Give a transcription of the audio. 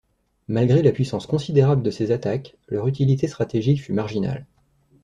Malgré la puissance considérable de ces attaques, leur utilité stratégique fut marginale.